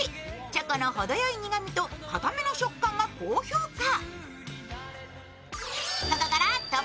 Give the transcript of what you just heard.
チョコの程よい苦みと硬めの食感が高評価。